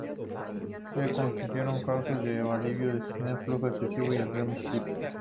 Se construyeron cauces de alivio que desvían el flujo excesivo del río Misisipi.